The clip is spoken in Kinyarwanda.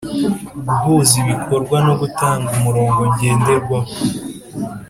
Guhuza ibikorwa no gutanga umurongo ngenderwaho